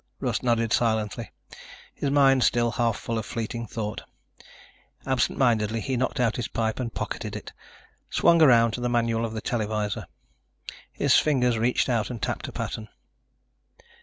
Russ nodded silently, his mind still half full of fleeting thought. Absent mindedly he knocked out his pipe and pocketed it, swung around to the manual of the televisor. His fingers reached out and tapped a pattern.